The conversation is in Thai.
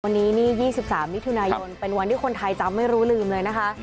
วันนี้นี่๒๓มิถุนายนเป็นวันที่คนไทยจำไม่รู้ลืมเลยนะคะ